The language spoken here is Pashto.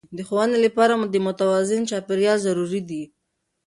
د ښوونې لپاره د متوازن چاپیریال ضروري دی.